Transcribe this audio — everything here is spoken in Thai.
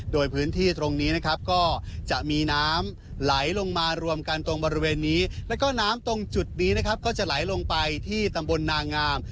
โดยพื้นที่ตรงนี้นะครับก็จะมีน้ำไหลลงมารวมกันตรงบริเวณนี้แล้วก็น้ำตรงจุดนี้นะครับก็จะไหลลงไปที่ตำบลนางาม